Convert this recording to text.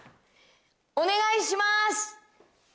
お願いしまーす！